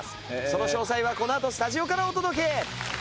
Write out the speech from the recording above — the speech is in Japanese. その詳細はこのあとスタジオからお届け！